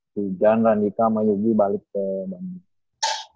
si jan randika sama yogi balik ke mes